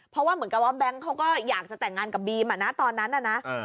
เพราะว่าเหมือนกับว่าแบงค์เขาก็อยากจะแต่งงานกับบีมอ่ะนะตอนนั้นน่ะนะ